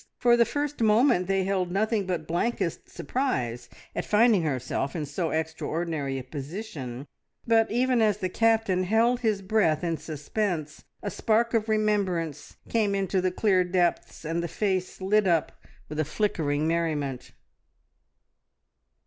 For the first moment they held nothing but blankest surprise at finding herself in so extraordinary a position, but, even as the Captain held his breath in suspense, a spark of remembrance came into the clear depths, and the face lit up with a flickering merriment.